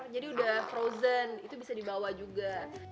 jadi udah frozen itu bisa dibawa juga